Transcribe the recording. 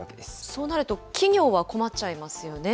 そうなると、企業は困っちゃいますよね。